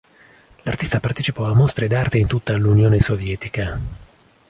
L'artista partecipò a mostre d'arte in tutta l'Unione Sovietica.